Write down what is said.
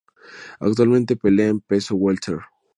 Actualmente pelea en peso welter.